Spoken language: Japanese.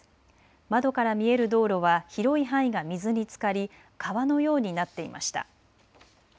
窓から見える道路は広い範囲が水につかり川のようになっていました。